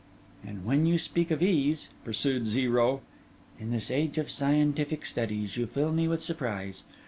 'And when you speak of ease,' pursued Zero, 'in this age of scientific studies, you fill me with surprise.